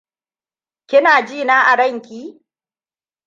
Kina jina a ranki?